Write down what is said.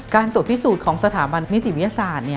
การตรวจพิสูจน์ของสถาบันนิติวิทยาศาสตร์